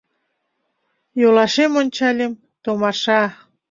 Йолашем ончальым — томаша!